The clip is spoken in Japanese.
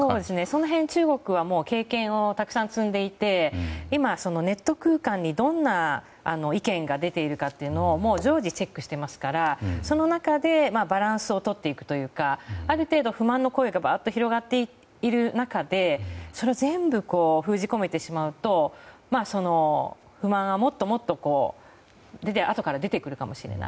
その辺、中国は経験をたくさん積んでいて今、ネット空間にどんな意見が出ているかを常時チェックしてますからその中でバランスをとっていくというかある程度、不満の声が広がっている中でそれを全部封じ込めてしまうと不満が後から出てくるかもしれない。